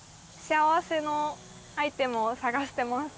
幸せのアイテムを探してます。